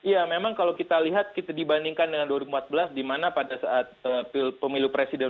ya memang kalau kita lihat kita dibandingkan dengan dua ribu empat belas